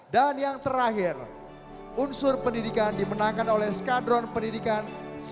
dan yang terakhir unsur pendidikan dimenangkan oleh skadron pendidikan satu dua